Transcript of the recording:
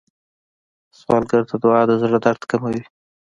سوالګر ته دعا د زړه درد کموي